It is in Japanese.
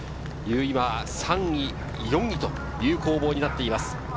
３位、４位という攻防になっています。